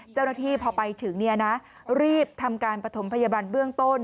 เจ้าหน้าที่พอไปถึงรีบทำการปฐมพยาบาลเบื้องต้น